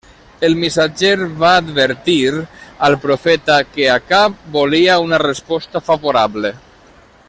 El missatger va advertir al profeta que Acab volia una resposta favorable.